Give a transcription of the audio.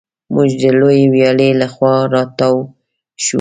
موږ د لویې ویالې له خوا را تاو شوو.